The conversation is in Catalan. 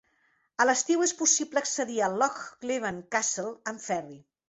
A l'estiu, és possible accedir al Loch Leven Castle amb ferri.